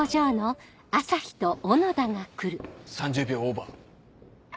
３０秒オーバー。